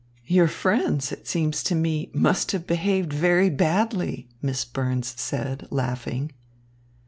"Your friends, it seems to me, must have behaved very badly," Miss Burns said, laughing.